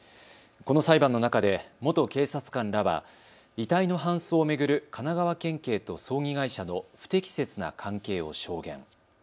この裁判の中で元警察官らは遺体の搬送を巡る神奈川県警と葬儀会社の不適切な関係を証言。